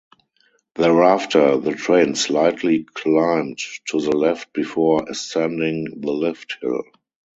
Thereafter the train slightly climbed to the left before ascending the lift hill.